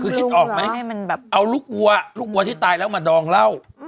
คือคิดออกไหมเอาลูกวัวที่ตายแล้วมาดองเล่า